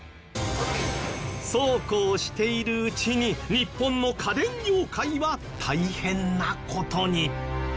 そうこうしているうちに日本の家電業界は大変な事に